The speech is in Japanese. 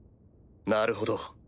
なるほど。